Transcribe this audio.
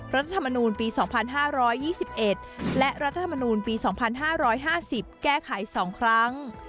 รัฐธรรมนูญปีสองพันห้าร้อยยี่สิบเอ็ดและรัฐธรรมนูญปีสองพันห้าร้อยห้าสิบแก้ไขสองครั้ง